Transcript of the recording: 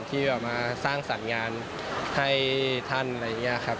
ที่มาสร้างสรรค์งานให้ท่านอะไรอย่างนี้ครับ